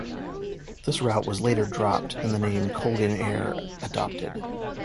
This route was later dropped and the name Colgan Air adopted.